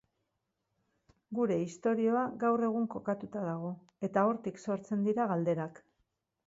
Gure istorioa gaur egun kokatuta dago, eta hortik sortzen dira galderak.